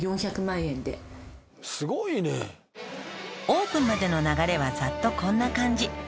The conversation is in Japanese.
「オープンまでの流れはざっとこんな感じ」